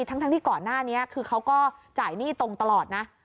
ทั้งที่ก่อนหน้านี้คือเขาก็จ่ายหนี้ตรงตลอดนะ